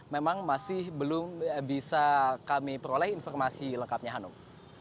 memang masih belum bisa kami peroleh informasi lengkapnya hanum